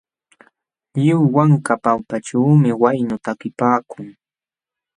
Lliw wanka pampaćhuumi waynu takipaakun.